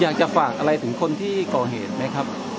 อยากจะฝากอะไรถึงคนที่ก่อเหตุไหมครับ